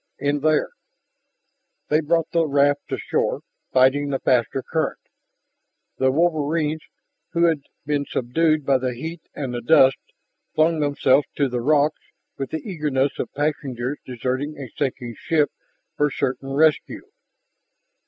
"In there " They brought the raft to shore, fighting the faster current. The wolverines, who had been subdued by the heat and the dust, flung themselves to the rocks with the eagerness of passengers deserting a sinking ship for certain rescue.